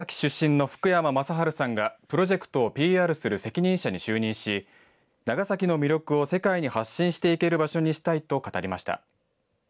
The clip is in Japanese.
長崎出身の福山雅治さんがプロジェクトをＰＲする責任者に就任し長崎の魅力を世界に発信していける場所にしたいと語りました。